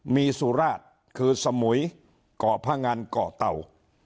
มีสุราชคือสมุยเกาะพงันเกาะเตา